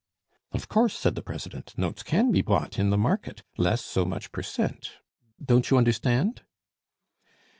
"Of course," said the president. "Notes can be bought in the market, less so much per cent. Don't you understand?"